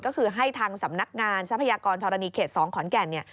ก็คือให้ทางสำนักงานทรัพยากรธรณีเขต๒ขอนแก่นเนี่ย